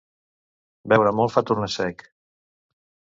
Beure molt fa tornar sec.